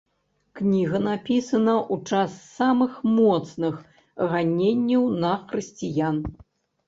Кніга напісана ў час самых моцных ганенняў на хрысціян.